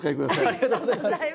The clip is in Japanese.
ありがとうございます。